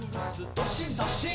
どっしんどっしん」